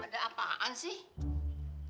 ada apaan sih